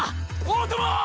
大友！